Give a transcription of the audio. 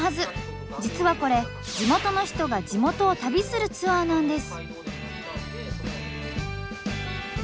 実はこれ地元の人が地元を旅するツアーなんです。